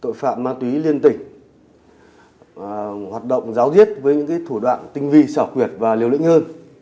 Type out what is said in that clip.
tội phạm ma túy liên tỉnh hoạt động giáo diết với những thủ đoạn tinh vi xảo quyệt và liều lĩnh hơn